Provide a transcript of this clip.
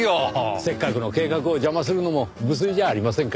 せっかくの計画を邪魔するのも無粋じゃありませんか。